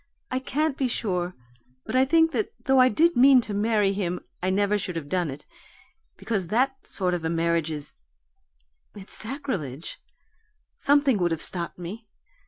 I can't be sure, but I think that though I did mean to marry him I never should have done it, because that sort of a marriage is it's sacrilege something would have stopped me.